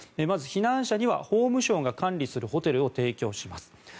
まず避難者には法務省が管理するホテルを提供します。